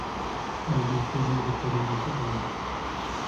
ئەمدى كۆزۈمگە كۆرۈنگۈچى بولما!